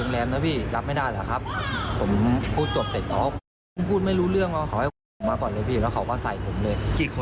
เขาล่ะว่าจะขับรถออกจะถึงรถหนีะพี่